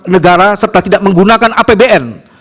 negara serta tidak menggunakan apbn